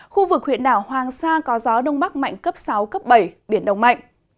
khu vực huyện đảo hoàng sa có gió đông bắc mạnh cấp sáu cấp bảy biển động mạnh